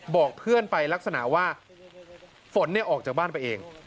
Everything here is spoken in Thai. บอกเพื่อนไปลักษณะว่าฝนออกจากบ้านไปเอง